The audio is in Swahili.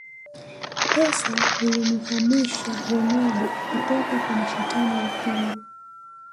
Pesa ilimuhamisha Ronaldo kutoka kwa mashetani wekundu